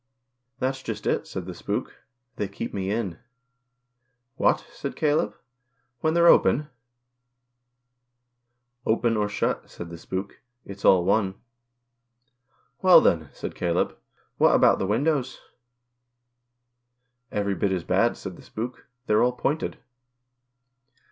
" That's just it," said the spook, " They keep me in." "What?" said Caleb, " when they're open." " Open or shut," said the spook, " it's all one." "Well, then," said Caleb, "what about the windows ?" "Every bit as bad," said the spook, "They're all pointed."